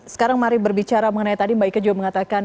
sekarang mari berbicara mengenai tadi mbak ika juga mengatakan